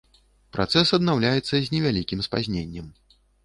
Працэс аднаўляецца з невялікім спазненнем.